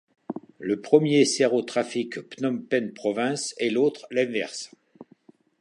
Le premier sert au trafic Phnom Penh province et l'autre l'inverse.